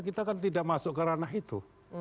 kita kan tidak masuk ke ranah itu